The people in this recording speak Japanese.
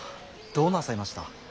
どうなさいました。